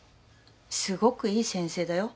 すごくいい先生だよ。